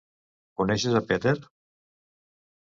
Coneixes a Peter?